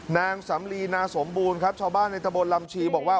นางสำลีนาสมบูรณ์ครับชาวบ้านในตะบนลำชีบอกว่า